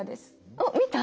あっ見た？